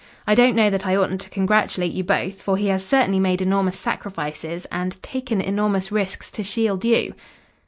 I don't know that I oughtn't to congratulate you both, for he has certainly made enormous sacrifices, and taken enormous risks to shield you."